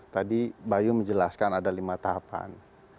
tadi bayu menjelaskan ada lima tahapan